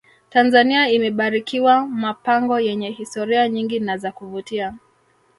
tanzania imebarikiwa mapango yenye historia nyingi na za kuvutia